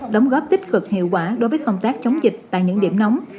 đóng góp tích cực hiệu quả đối với công tác chống dịch tại những điểm nóng